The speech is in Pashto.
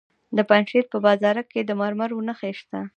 د پنجشیر په بازارک کې د مرمرو نښې شته.